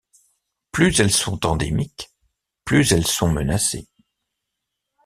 Plus elles sont endémiques, plus elles sont menacées.